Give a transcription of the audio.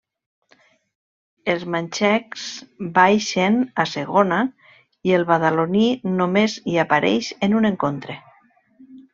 Els manxecs baixen a Segona, i el badaloní només hi apareix en un encontre.